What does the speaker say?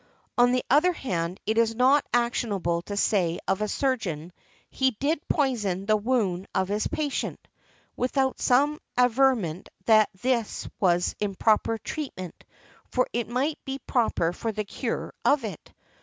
On the other hand, it is not actionable to say of a surgeon, "He did poison the wound of his patient," without some averment that this was improper treatment, for it might be proper for the cure of it.